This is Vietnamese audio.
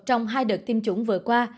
trong hai đợt tiêm chủng vừa qua